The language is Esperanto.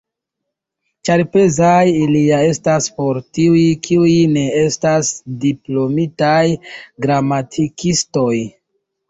Ĉar pezaj ili ja estas por tiuj, kiuj ne estas diplomitaj gramatikistoj.